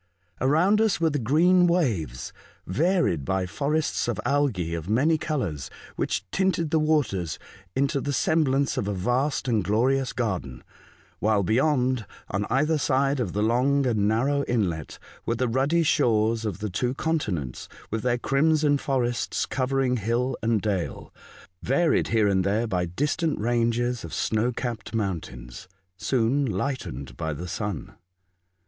Around us were the green waves, varied by forests of algae of many colours, which tinted the waters into the sem blance of a vast and glorious garden, while beyond, on either side of the long and narrow inlet were the ruddy shores of the two con tinents, with their crimson forests covering hill and dale, varied here and there by dis tant ranges of snow capped mountains, soon lightened by the sun.